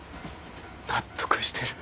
納得してる。